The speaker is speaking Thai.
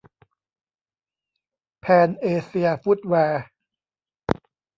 แพนเอเซียฟุตแวร์